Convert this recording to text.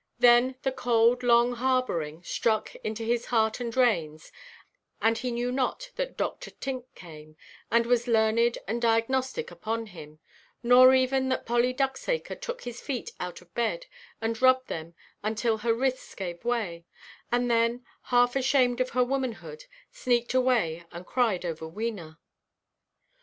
Then the cold, long harbouring, struck into his heart and reins; and he knew not that Dr. Tink came, and was learned and diagnostic upon him; nor even that Polly Ducksacre took his feet out of bed, and rubbed them until her wrists gave way; and then, half ashamed of her womanhood, sneaked away, and cried over Wena.